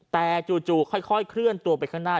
แต่จู่ค่อยเคลื่อนตัวไปข้างหน้า